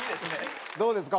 どうですか？